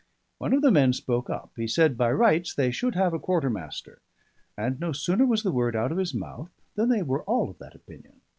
One of the men spoke up: he said by rights they should have a quartermaster; and no sooner was the word out of his mouth than they were all of that opinion.